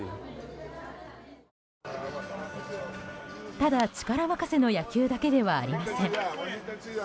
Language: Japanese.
ただ力任せの野球だけではありません。